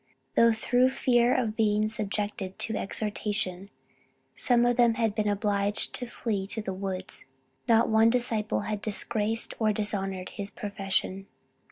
Though through fear of being subjected to extortion, some of them had been obliged to flee to the woods, not one disciple had disgraced or dishonored his profession.